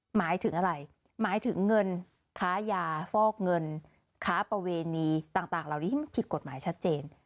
หมายถึงเงินค้ายาฟอกเงินค้าประเวณีต่างเหล่านี้ที่ผิดกฎหมายชัดเจน